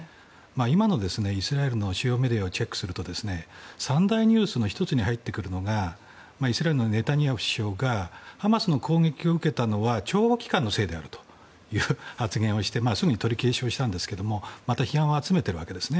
今のイスラエルの主要メディアをチェックすると三大ニュースの１つに入ってくるのがイスラエルのネタニヤフ首相がハマスの攻撃を受けたのは諜報機関のせいであるという発言をしてすぐに取り消ししたんですけどまた批判を集めているわけです。